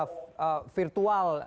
berlangsung secara virtual